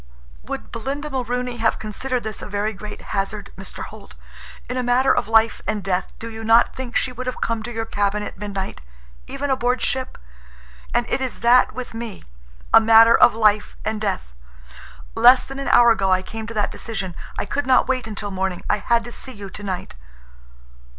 "Would Belinda Mulrooney have considered this a very great hazard, Mr. Holt? In a matter of life and death, do you not think she would have come to your cabin at midnight—even aboard ship? And it is that with me—a matter of life and death. Less than an hour ago I came to that decision. I could not wait until morning. I had to see you tonight."